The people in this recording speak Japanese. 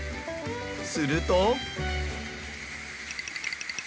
すると。